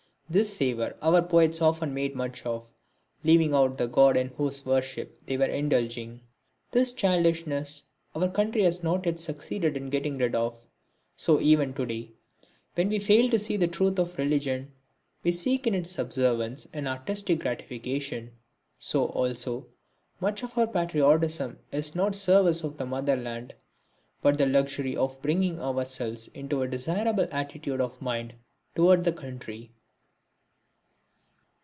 This savour our poets often made much of; leaving out the god in whose worship they were indulging. This childishness our country has not yet succeeded in getting rid of. So even to day, when we fail to see the truth of religion, we seek in its observance an artistic gratification. So, also, much of our patriotism is not service of the mother land, but the luxury of bringing ourselves into a desirable attitude of mind toward the country.